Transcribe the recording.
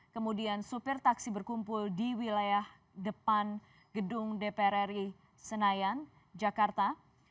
kemudian supir taksi berkumpul di wilayah depan gedung dpr ri senayan jakarta